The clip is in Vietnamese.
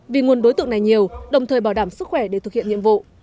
vì nguồn đối tượng này nhiều đồng thời bảo đảm sức khỏe để thực hiện nhiệm vụ